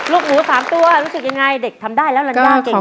ลูกหมู๓ตัวรู้สึกยังไงเด็กทำได้แล้วลัญญาเก่ง